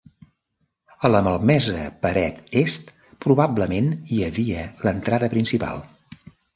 A la malmesa paret est probablement hi havia l'entrada principal.